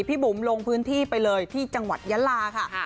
บุ๋มลงพื้นที่ไปเลยที่จังหวัดยะลาค่ะ